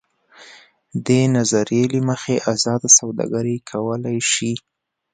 دې نظریې له مخې ازاده سوداګري کولای شي.